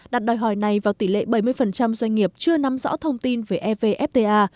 đặt đòi hỏi này vào tỷ lệ bảy mươi doanh nghiệp chưa nắm rõ thông tin về evfta